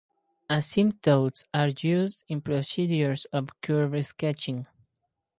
Asymptotes are used in procedures of curve sketching.